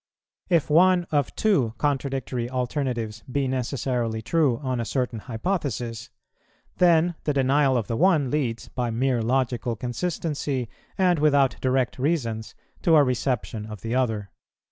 If one of two contradictory alternatives be necessarily true on a certain hypothesis, then the denial of the one leads, by mere logical consistency and without direct reasons, to a reception of the other.